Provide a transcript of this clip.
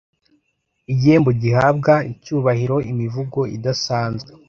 igihembo gihabwa icyubahiro imivugo idasanzwe